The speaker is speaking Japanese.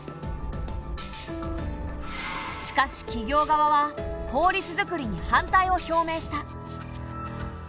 しかし企業側は法律作りに反対を表明した。